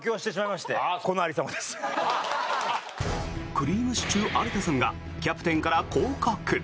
くりぃむしちゅー、有田さんがキャプテンから降格！